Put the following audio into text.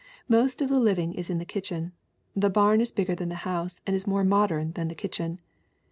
"Most of the living is in the kitchen. The barn is bigger than the house and is more modern than the kitchen.